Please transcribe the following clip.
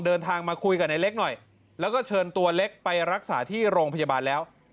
เดินทางมาคุยกับนายเล็กหน่อยแล้วก็เชิญตัวเล็กไปรักษาที่โรงพยาบาลแล้ว